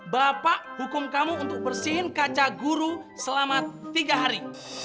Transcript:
bapak hukum kamu untuk bersihin kaca guru selama tiga hari